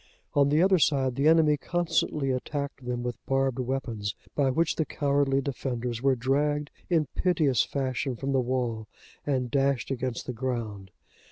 On the other side, the enemy constantly attacked them with barbed weapons, by which the cowardly defenders were dragged in piteous fashion from the wall, and dashed against the ground.